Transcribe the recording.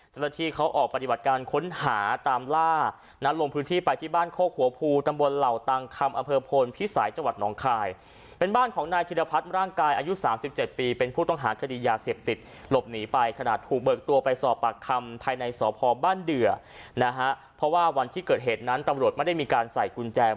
เจ้าหน้าที่เขาออกปฏิบัติการค้นหาตามล่านัดลงพื้นที่ไปที่บ้านโคกหัวภูตำบลเหล่าตังคำอำเภอโพนพิสัยจังหวัดหนองคายเป็นบ้านของนายธิรพัฒน์ร่างกายอายุ๓๗ปีเป็นผู้ต้องหาคดียาเสพติดหลบหนีไปขนาดถูกเบิกตัวไปสอบปากคำภายในสพบ้านเดือนะฮะเพราะว่าวันที่เกิดเหตุนั้นตำรวจไม่ได้มีการใส่กุญแจ